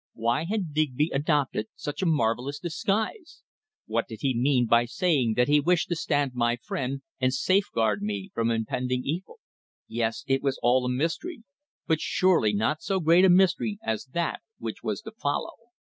Why had Digby adopted such a marvellous disguise? What did he mean by saying that he wished to stand my friend and safeguard me from impending evil? Yes, it was all a mystery but surely not so great a mystery as that which was to follow.